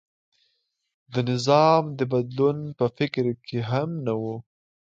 د نظام د بدلون په فکر کې هم نه و.